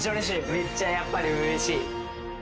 めっちゃやっぱりうれしい。